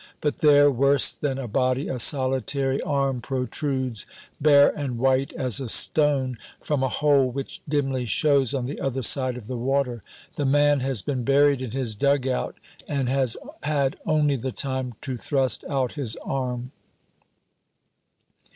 But there, worse than a body, a solitary arm protrudes, bare and white as a stone, from a hole which dimly shows on the other side of the water. The man has been buried in his dug out and has had only the time to thrust out his arm.